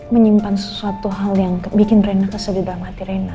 menyimpan sesuatu hal yang bikin reina keselidikah mati reina